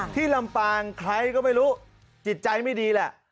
ลำปางใครก็ไม่รู้จิตใจไม่ดีแหละ